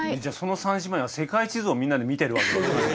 じゃあその三姉妹は世界地図をみんなで見てるわけ？